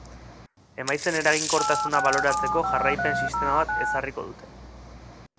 Emaitzen eraginkortasuna baloratzeko jarraipen sistema bat ezarriko dute.